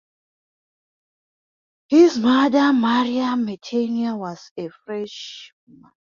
His mother, Marie Metenier, was a French woman.